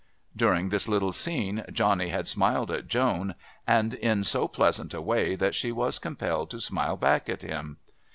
During this little scene Johnny had smiled at Joan, and in so pleasant a way that she was compelled to smile back at him.